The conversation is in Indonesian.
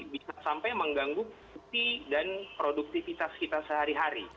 bisa sampai mengganggu fungsi dan produktivitas kita sehari hari